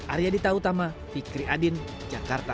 arya dita utama fikri adin jakarta